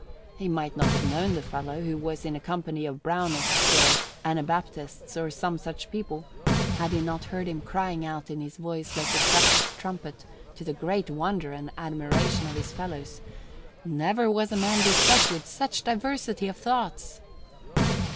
He might not have known the fellow, who was in a company of Brownists or Anabaptists, or some such people, had he not heard him crying out in his voice like a cracked trumpet, to the great wonder and admiration of his fellows, "Never was a man beset with such diversity of thoughts."